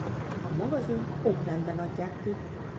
A magazint Oaklandban adják ki.